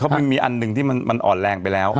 มันมีอันหนึ่งที่มันอ่อนแรงไปแล้ว